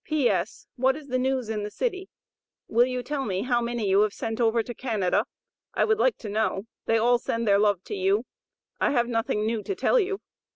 P.S. What is the news in the city? Will you tell me how many you have sent over to Canada? I would like to know. They all send their love to you. I have nothing new to tell you.